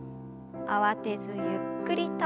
慌てずゆっくりと。